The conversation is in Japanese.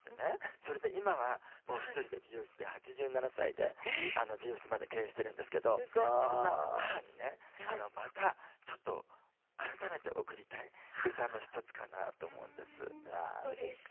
それで今はもう一人で美容室で８７歳で、美容室を経営してるんですけどそんな母にねまたちょっと、改めて贈りたい歌の一つかなと思うんです。